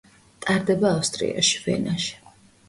ტარდება ავსტრიაში, ვენაში.